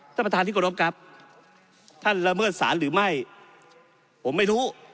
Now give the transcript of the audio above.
ท่านประธานที่กรบครับท่านละเมิดศาลหรือไม่ผมไม่รู้